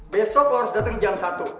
besok lo harus datang jam satu